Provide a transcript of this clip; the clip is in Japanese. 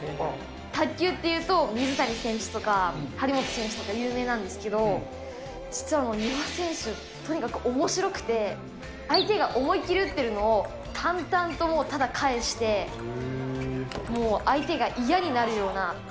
卓球っていうと、水谷選手とか張本選手とか、有名なんですけど、実は、丹羽選手、とにかくおもしろくて、相手が思い切り打ってるのを、淡々ともう返して、もう相手が嫌になるような。